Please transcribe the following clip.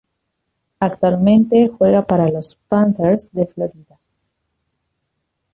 Actualmente juega para los Panthers de Florida.